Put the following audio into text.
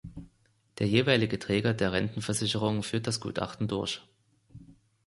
Der jeweilige Träger der Rentenversicherung führt das Gutachten durch.